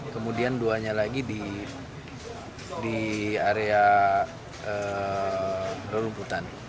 kemudian duanya lagi di area rumputan